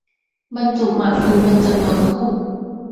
บรรจุหมากพลูเป็นจำนวนคู่